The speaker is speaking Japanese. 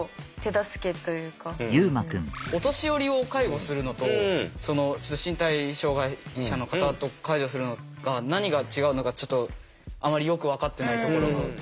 お年寄りを介護するのと身体障害者の方を介助するのが何が違うのかちょっとあまりよく分かってないところが。